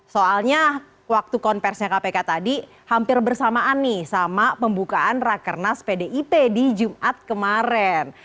soalnya waktu konversinya kpk tadi hampir bersamaan nih sama pembukaan rakernas pdip di jumat kemarin